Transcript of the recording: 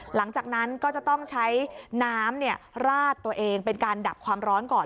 หลังจากนั้นก็จะต้องใช้น้ำราดตัวเองเป็นการดับความร้อนก่อน